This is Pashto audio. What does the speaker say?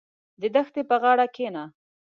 • د دښتې په غاړه کښېنه.